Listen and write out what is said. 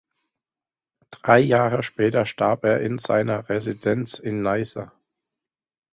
Drei Jahre später starb er in seiner Residenz in Neisse.